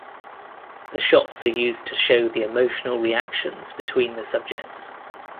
The shots are also used to show the emotional reactions between the subjects.